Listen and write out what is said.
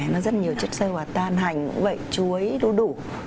nó rất nhiều chất sơ hỏa tan hành cũng vậy chuối đu đủ